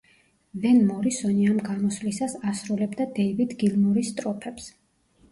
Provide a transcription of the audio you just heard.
ვენ მორისონი ამ გამოსვლისას ასრულებდა დეივიდ გილმორის სტროფებს.